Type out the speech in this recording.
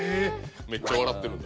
めっちゃ笑ってるんだ？